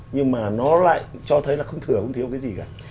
nhưng mà nó lại cho thấy là không thừa không thiếu cái gì cả